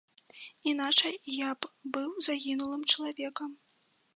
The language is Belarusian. Іначай я б быў загінулым чалавекам.